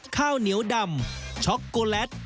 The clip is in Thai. ข้าวเหนียวดำช็อกโกแลต